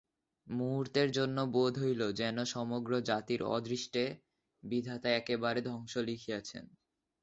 মুহূর্তের জন্য বোধ হইল, যেন সমগ্র জাতির অদৃষ্টে বিধাতা একেবারে ধ্বংস লিখিয়াছেন।